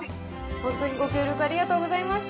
本当にご協力ありがとうございました。